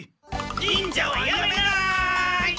忍者をやめない！